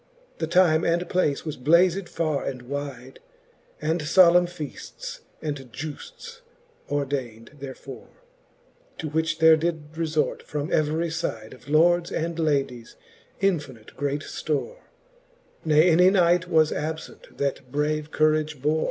The time and place was blazed farre and wide; And fblemne feafts and giufts ordaind therefore. To which there did refort from every fide Of lords and ladies infinite great ftore j Ne any knight was abfent, that brave courage bore.